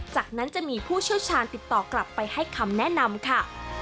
จากนั้นจะมีผู้เชี่ยวชาญติดต่อกลับไปให้คำแนะนำค่ะ